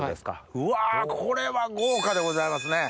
うわこれは豪華でございますね。